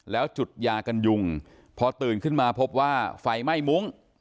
แล้วจุดยากันยุงพอตื่นขึ้นมาพบว่าไฟไหม้มุ้ง